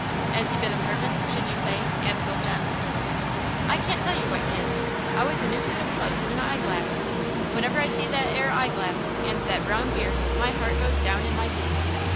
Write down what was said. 'as he been a servant, should you say?" asked old John. "I can't tell you what he is. Always new suit of clothes and a hie glass. Whenever I see that 'ere hie glass and that brown beard my heart goes down in my boots.